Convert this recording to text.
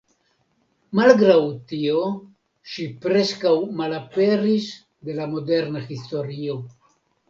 Malgraŭ tio ŝi preskaŭ malaperis de la moderna historio.